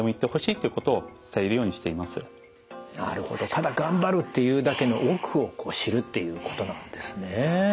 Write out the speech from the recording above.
ただ頑張るっていうだけの奥を知るっていうことなんですね。